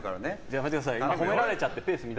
やめてください。